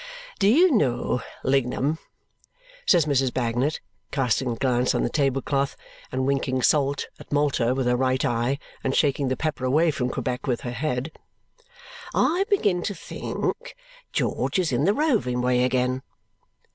"Do you know, Lignum," says Mrs. Bagnet, casting a glance on the table cloth, and winking "salt!" at Malta with her right eye, and shaking the pepper away from Quebec with her head, "I begin to think George is in the roving way again.